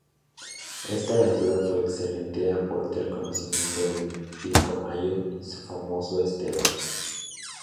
Esta aventura fue un excelente aporte al conocimiento del Pilcomayo y su famoso estero.